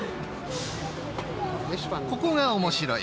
ここが面白い。